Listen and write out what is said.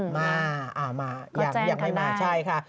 มาอ่ะมาอย่างไม่มาใช่ค่ะ